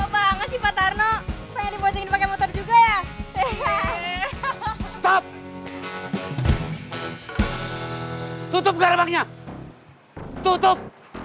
banget sih pak tarno pakai motor juga ya stop tutup garamnya tutup